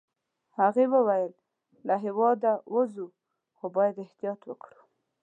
هغې وویل: له هیواده ووزو، خو باید احتیاط وکړو.